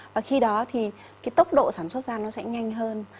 và khi đó thì cái tốc độ sản xuất ra nó sẽ nhanh hơn